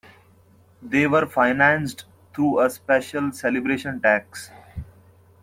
They were financed through a special celebration tax.